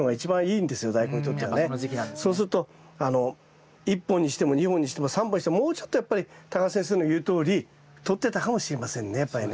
そうすると１本にしても２本にしても３本にしてももうちょっとやっぱり畑先生の言うとおり太ってたかもしれませんねやっぱりね。